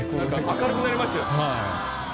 明るくなりましたよね。